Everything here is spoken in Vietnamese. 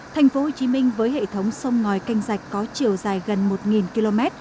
tp hcm với hệ thống sông ngòi canh rạch có chiều dài gần một km